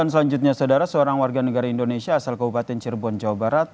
selanjutnya saudara seorang warga negara indonesia asal kabupaten cirebon jawa barat